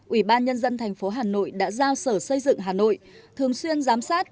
ủy ban nhân dân thành phố hà nội đã giao sở xây dựng hà nội thường xuyên giám sát